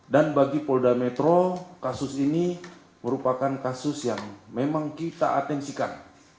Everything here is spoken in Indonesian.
dan bagi polda metro kasus ini merupakan kasus yang memang kita atensikan